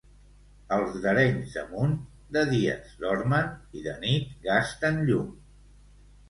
Els d'Arenys de Munt, de dies dormen i de nit gasten llum.